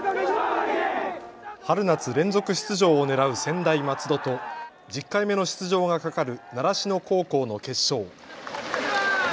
春夏連続出場をねらう専大松戸と１０回目の出場がかかる習志野高校の決勝。